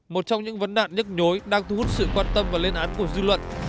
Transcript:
một trong những vấn đạn nhức nhối đang thu hút sự quan tâm và lên án của dư luận